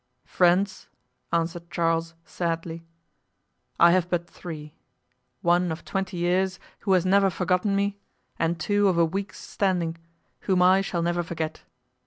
"Friends!" answered Charles, sadly, "I have but three—one of twenty years, who has never forgotten me, and two of a week's standing, whom I shall never forget.